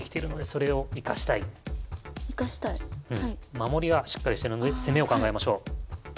守りはしっかりしてるので攻めを考えましょう。